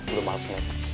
gue udah males liatnya